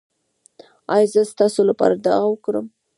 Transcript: ایا زه ستاسو لپاره دعا وکړم؟